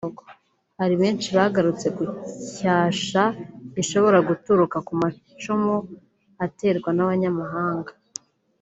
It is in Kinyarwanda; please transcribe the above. Hari benshi bagarutse ku cyasha gishobora guturuka ku macumu aterwa n’abanyamahanga